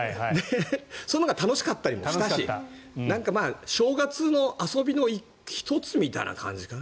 そのほうが楽しかったりもしたし正月の遊びの１つみたいな感じかな。